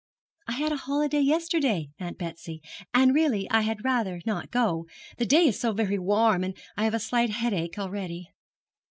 'I had a holiday yesterday, Aunt Betsy; and really I had rather not go. The day is so very warm, and I have a slight headache already.'